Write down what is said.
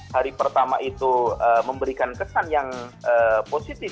hari pertama itu memberikan kesan yang positif